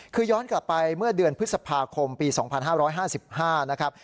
คือย้อนกลับไปเมื่อเดือนพฤษภาคมปี๒๕๕๕นะครับ